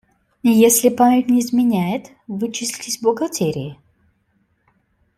Если память мне изменяет, Вы числитесь в бухгалтерии?